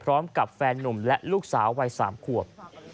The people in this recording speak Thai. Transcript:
พร้อมกับแฟนนุ่มและลูกสาววัย๓ขวบ